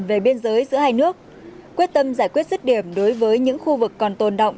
về biên giới giữa hai nước quyết tâm giải quyết rứt điểm đối với những khu vực còn tồn động